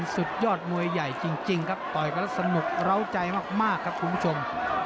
สุดยอดมวยใหญ่จริงครับต่อยกันแล้วสนุกร้าวใจมากครับคุณผู้ชม